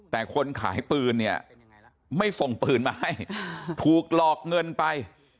แต่คนขายปืนเนี่ยไม่ส่งปืนมาให้ถูกหลอกเงินไป